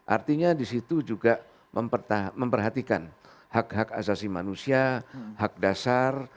artinya di situ juga memperhatikan hak hak asasi manusia hak dasar